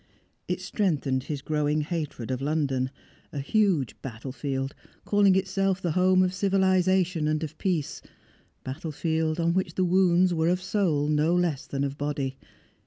It strengthened his growing hatred of London, a huge battlefield calling itself the home of civilisation and of peace; battlefield on which the wounds were of soul no less than of body.